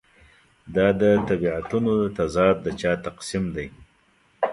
دا د طبیعتونو تضاد د چا تقسیم دی.